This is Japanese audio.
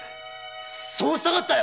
そうしたかったよ。